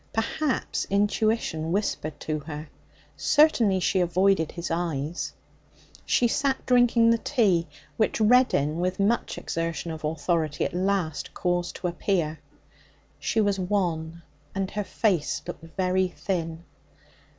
Perhaps intuition whispered to her. Certainly she avoided his eyes. She sat drinking the tea, which Reddin, with much exertion of authority, at last caused to appear. She was wan, and her face looked very thin.